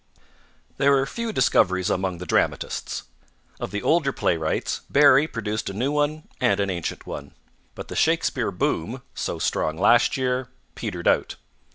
_ There were few discoveries among the dramatists. Of the older playwrights, Barrie produced a new one and an ancient one, but the Shakespeare boom, so strong last year, petered out.